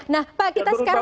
nah pak kita sekarang